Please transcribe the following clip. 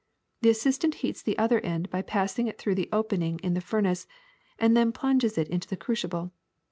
The assistant heats the other end by passing it through the opening in the furnace, and then plunges it into the crucible.